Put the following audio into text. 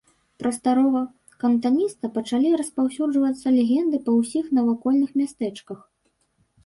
Пра старога кантаніста пачалі распаўсюджвацца легенды па ўсіх навакольных мястэчках.